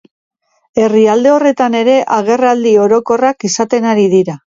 Herrialde horretan ere agerraldi orokorrak izaten ari dira.